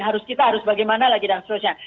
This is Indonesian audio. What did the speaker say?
harus kita harus bagaimana lagi dan seterusnya